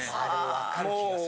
わかる気がする。